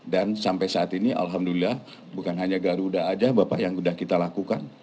dan sampai saat ini alhamdulillah bukan hanya garuda saja bapak yang sudah kita lakukan